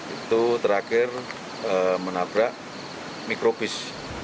itu terakhir menabrak mikrobus